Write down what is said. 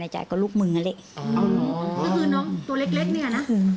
ที่น้องตัวเล็กเนี่ยนะ